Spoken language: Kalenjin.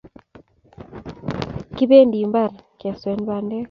Kibendi imbar keswen bandek